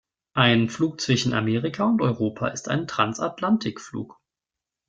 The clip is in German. Ein Flug zwischen Amerika und Europa ist ein Transatlantikflug.